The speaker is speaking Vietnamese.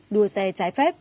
đua xe trái phép